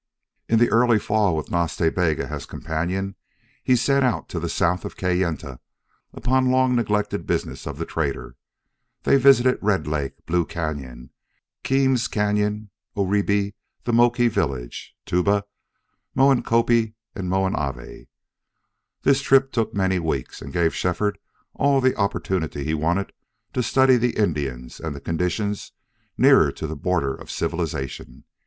In the early fall, with Nas Ta Bega as companion, he set out to the south of Kayenta upon long neglected business of the trader. They visited Red Lake, Blue Cañon, Keams Cañon, Oribi, the Moki villages, Tuba, Moencopie, and Moen Ave. This trip took many weeks and gave Shefford all the opportunity he wanted to study the Indians, and the conditions nearer to the border of civilization.